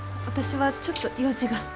私はちょっと用事が。